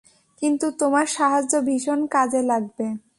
কিন্তু তোমার সাহায্য ভীষণ কাজে লাগবে।